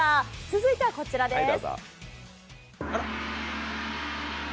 続いてはこちらです。